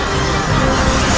aku tidak percaya